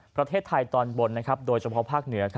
ประเทศไทยตอนบนโดยเฉพาะภาคเหนือ